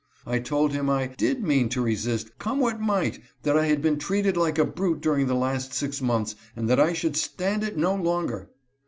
I told him I "did mean to resist, come what might; that I had been treated like a brute during the last six months, and that I should stand it no longer."